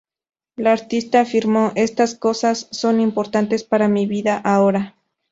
La artista afirmó: "Estas cosas son importantes para mi vida ahora.